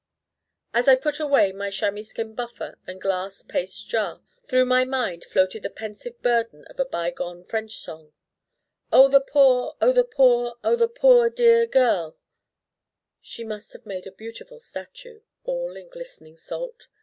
As I put away my chamois skin buffer and glass paste jar through my mind floated the pensive burden of a by gone French song 'Oh, the poor, oh, the poor, oh, the poor dear girl' She must have made a beautiful statue, all in glistening salt.